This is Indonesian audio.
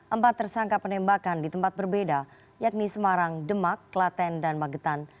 empat tersangka penembakan di tempat berbeda yakni semarang demak klaten dan magetan